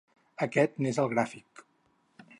Aquest n’és el gràfic.